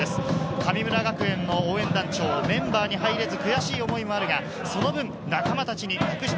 神村学園の応援団長、メンバーに入れず、悔しい思いもあるが、その分、仲間たちに託した。